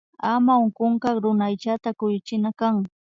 Ama unkunkak runa aychata kuyuchina kan